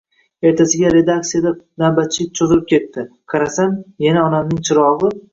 Ertasiga redaksiyada navbatchilik cho'zilib ketdi. Qarasam, yana onamning chirog'i